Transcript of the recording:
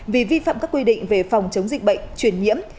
vì vi phạm các quy định về phòng chống dịch bệnh truyền nhiễm